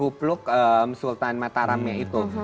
kupluk sultan mataramnya itu